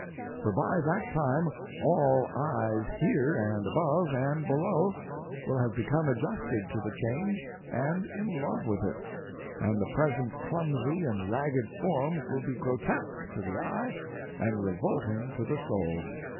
For by that time all eyes here and above and below will have become adjusted to the change and in love with it, and the present clumsy and ragged forms will be grotesque to the eye and revolting to the soul.